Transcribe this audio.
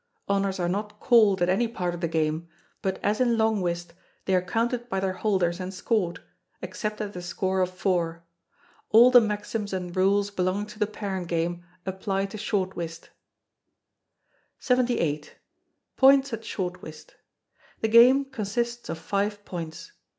Honours are not called at any part of the game; but, as in Long Whist, they are counted by their holders and scored except at the score of four. All the maxims and Rules belonging to the parent game apply to Short Whist. 78. Points at Short Whist. The Game consists of Five Points.